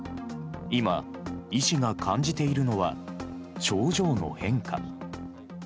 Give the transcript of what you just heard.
今、医師が感じているのは、症状の変化。